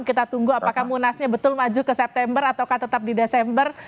kita tunggu apakah munasnya betul maju ke september atau tetap di desember